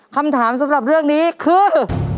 คำถามสำหรับเรื่องนี้คือ